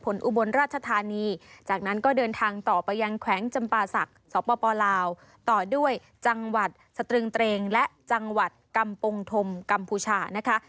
อุบลราชธานีจากนั้นก็เดินทางต่อไปยังแขวงจำปาศักดิ์สปลาวต่อด้วยจังหวัดสตรึงเตรงและจังหวัดกำปงธมกัมพูชานะคะ